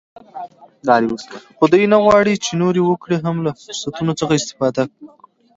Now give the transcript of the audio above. خو دوی نه غواړ چې نور وګړي هم له فرصتونو څخه استفاده وکړي